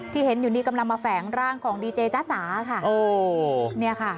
ที่เห็นอยู่นี่กำลังมาแฝงร่างของดีเจจ้าจ๋าค่ะโอ้เนี่ยค่ะ